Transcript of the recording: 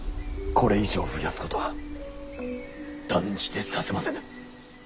これ以上増やすことは断じてさせませぬ。